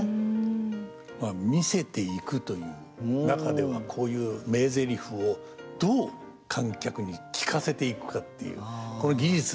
まあ見せていくという中ではこういう名ゼリフをどう観客に聞かせていくかっていうこれ技術でしょうねやっぱり。